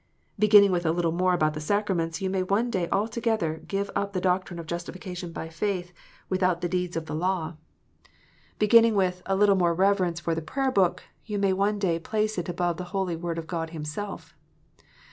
Beginning with a "little more about the sacraments," you may one day altogether give up the doctrine of justification by faith without the deeds 336 KNOTS UNTIED. of the law. Beginning with a "little more reverence for the Prayer book," you may one day place it above the holy Word of God Himself.